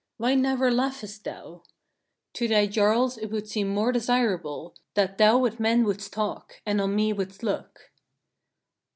Why never laughest thou? To thy jarls it would seem more desirable, that thou with men wouldst talk, and on me wouldst look.